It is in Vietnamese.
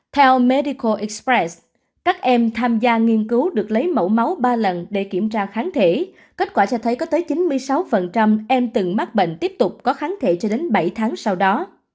theo medical express các em tham gia nghiên cứu được lấy mẫu máu ba lần để kiểm tra kháng thể kết quả cho thấy có tới chín mươi sáu em từng mắc bệnh tiếp tục có kháng thể cho đến bảy tháng sau đó